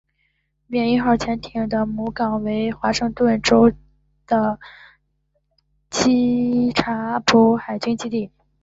缅因号潜艇的母港为华盛顿州的基察普海军基地。